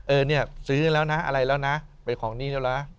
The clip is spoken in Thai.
เออเนี่ยซื้อแล้วนะอะไรแล้วนะไปของหนี้แล้วนะ